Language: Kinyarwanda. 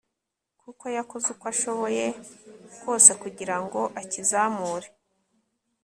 kuko yakoze uko ashoboye kose kugira ngo akizamure